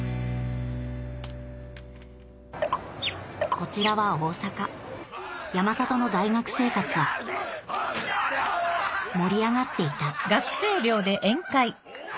こちらは大阪山里の大学生活は盛り上がっていた誰や？